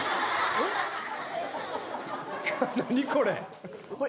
何これ。